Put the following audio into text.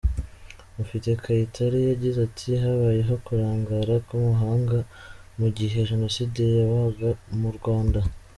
Mufti Kayitare yagize ati “ Habayeho kurangara kw’amahanga mu gihe Jenoside yabaga mu Rwanda.